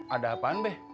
ada apaan be